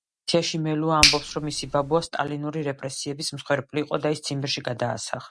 პუბლიკაციაში მელუა ამბობს, რომ მისი ბაბუა სტალინური რეპრესიების მსხვერპლი იყო და ის ციმბირში გადაასახლეს.